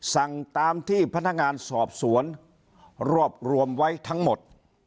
สั่งตามที่พนักงานสอบสวนรวบรวมไว้ทั้งหมด